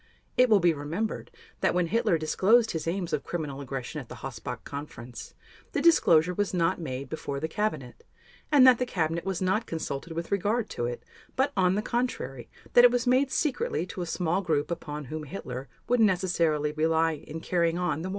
It will be remembered that when Hitler disclosed his aims of criminal aggression at the Hossbach Conference, the disclosure was not made before the Cabinet and that the Cabinet was not consulted with regard to it, but, on the contrary, that it was made secretly to a small group upon whom Hitler would necessarily rely in carrying on the war.